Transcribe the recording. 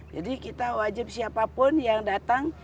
jadi kita wajib siapapun yang datang